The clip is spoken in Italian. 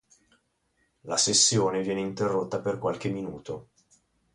La sessione viene interrotta per qualche minuto.